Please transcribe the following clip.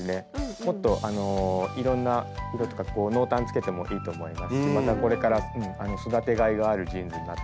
もっといろんな色とかこう濃淡つけてもいいと思いますしまたこれから育てがいがあるジーンズになったかなと思いますね。